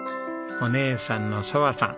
お姉さんの想羽さん。